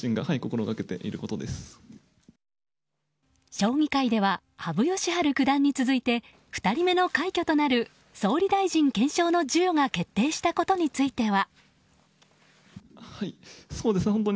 将棋界では羽生善治九段に続いて２人目の快挙となる総理大臣顕彰の授与が決定したことについては。